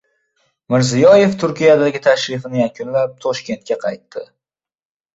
Mirziyoyev Turkiyadagi tashrifini yakunlab, Toshkentga qaytdi